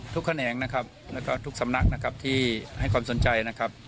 แขนงนะครับแล้วก็ทุกสำนักนะครับที่ให้ความสนใจนะครับ